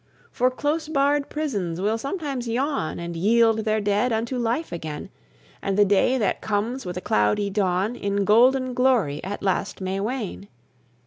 For close barred prisons will sometimes yawn, And yield their dead unto life again; And the day that comes with a cloudy dawn, In golden glory at last may wane.